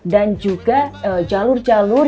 dan juga jalur jalur